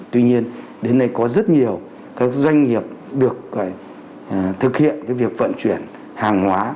tuy nhiên đến nay có rất nhiều các doanh nghiệp được thực hiện việc vận chuyển hàng hóa